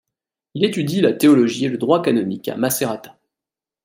Il étude la théologie et le droit canonique à Macerata.